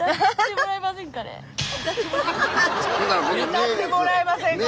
「歌ってもらえませんか」